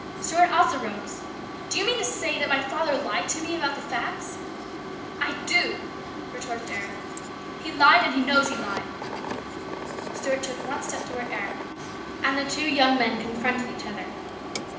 Stuart also rose. " Do you mean to say that my father lied to me about the facts ?" "I do !" retorted Eric. " He lied and he knows he lied !" Stuart took one step towards Eric, and the two young men confronted each other.